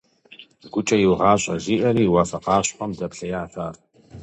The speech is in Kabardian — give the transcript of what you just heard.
ГукӀэ «иугъащӀэ» жиӀэри уафэ къащхъуэм дэплъеящ ар.